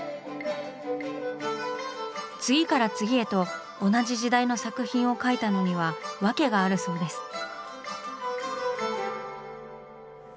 次から次へと同じ時代の作品を描いたのにはわけがあるそうです。